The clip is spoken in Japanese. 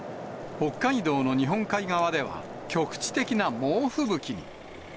北海道の日本海側では、局地的な猛吹雪に。